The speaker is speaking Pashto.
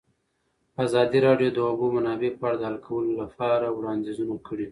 ازادي راډیو د د اوبو منابع په اړه د حل کولو لپاره وړاندیزونه کړي.